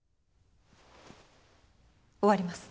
終わります。